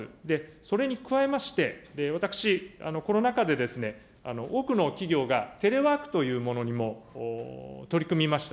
それに加えまして、私、コロナ禍で、多くの企業がテレワークというものにも取り組みました。